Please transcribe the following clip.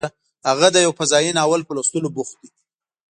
هغه د یو فضايي ناول په لوستلو بوخت و